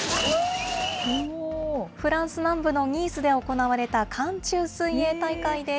フランス南部のニースで行われた寒中水泳大会です。